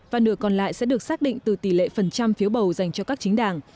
và nửa còn lại sẽ được xác định từ tỷ lệ phần trăm phiếu bầu dành cho các chính đảng